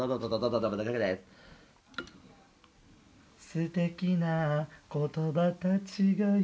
「素敵な言葉たちがいる」